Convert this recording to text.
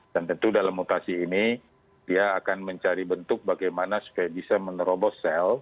dan tentu dalam mutasi ini dia akan mencari bentuk bagaimana supaya bisa menerobos sel